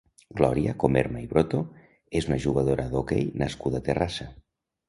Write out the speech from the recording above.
Glòria Comerma i Broto és una jugadora d'hoquei nascuda a Terrassa.